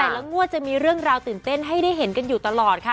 งวดจะมีเรื่องราวตื่นเต้นให้ได้เห็นกันอยู่ตลอดค่ะ